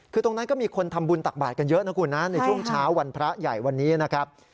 คือตรงนั้นก็มีคนทำบุญตักบาทกันเยอะนะคุณนะในช่วงเช้าวันพระใหญ่วันนี้นะครับ